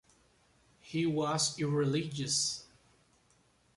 He was irreligious.